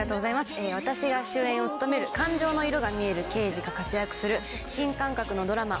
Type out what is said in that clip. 私が主演を務める感情の色が見える刑事が活躍する新感覚のドラマ